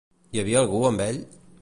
Hi havia algú amb ell?